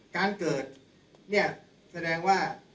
การเกิดแสดงว่า